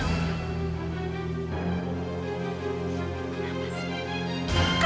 kamu udah lihat sendiri kan